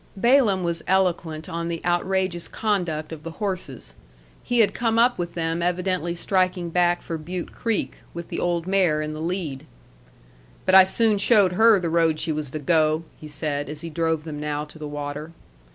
Balaam was eloquent on the outrageous conduct of the horses. He had come up with them evidently striking back for Butte Creek, with the old mare in the lead. "But I soon showed her the road she was to go," he said, as he drove them now to the water.